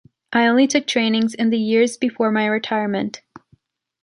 I only took trainings in the years before my retirement.